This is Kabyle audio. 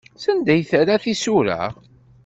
Sanda ay terra tisura?